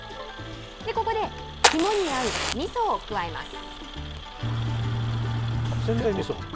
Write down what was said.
ここで肝に合うみそを加えます。